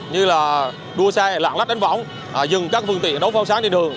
như là đua xe lạng lách đánh võng dừng các phương tiện đấu phao sáng trên đường